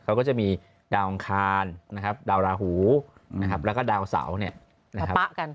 เขาก็จะมีดาวอังคารนะครับดาวราหูนะครับแล้วก็ดาวเสาเนี่ยนะครับ